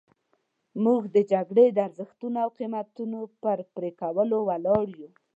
موږ د جګړې د ارزښتونو او قیمتونو پر پرې کولو ولاړ یو.